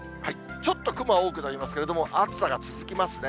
ちょっと雲は多くなりますけれども、暑さが続きますね。